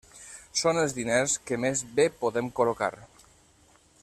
Són els diners que més bé podem col·locar.